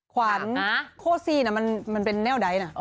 ขวัญโคซีนมันเป็นแนวใดนะ